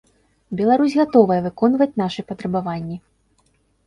Беларусь гатовая выконваць нашы патрабаванні.